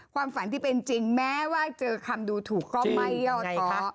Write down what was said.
ความฝันที่เป็นจริงแม้ว่าเจอคำดูถูกก็ไม่ย่อท้อ